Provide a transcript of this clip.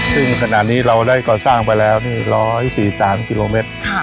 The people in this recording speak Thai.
ซึ่งขณะนี้เราได้ก่อสร้างไปแล้ว๑๔๓กิโลเมตร